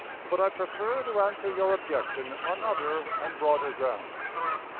But I prefer to answer your objection on other and broader grounds.